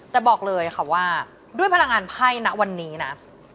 แต่บอกเลยค่ะว่าด้วยพลังงานไพ่นะวันนี้นะ